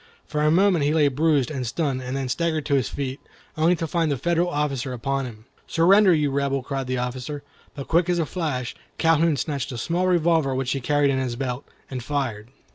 For a moment he lay bruised and stunned, and then staggered to his feet, only to find the Federal officer upon him. "Surrender, you Rebel!" cried the officer, but quick as a flash, Calhoun snatched a small revolver which he carried in his belt, and fired.